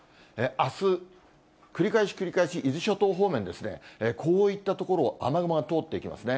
あす、繰り返し繰り返し伊豆諸島方面ですね、こういった所を雨雲が通っていきますね。